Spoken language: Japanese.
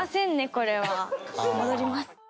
これは。戻ります。